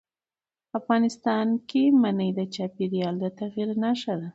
افغانستان کې منی د چاپېریال د تغیر نښه ده.